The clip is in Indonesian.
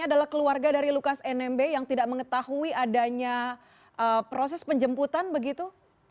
adalah keluarga dari lukas nmb yang tidak mengetahui adanya proses penjemputan begitu